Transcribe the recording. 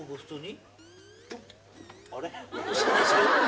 あれ？